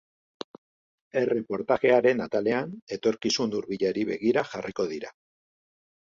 Erreportajearen atalean, etorkizun hurbilari begira jarriko dira.